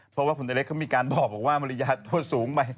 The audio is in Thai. เพราะว่าผลตัวเล็กเขามีการบอกว่ามาริยาโทษสูงไป